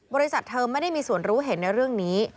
บริษัทเธอไม่ได้มีส่วนรู้เห็นในเรื่องนี้